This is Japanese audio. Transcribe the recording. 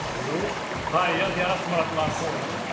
やらせてもらっています。